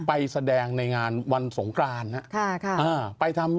ไปแสดงในงานวันสงครามน่ะ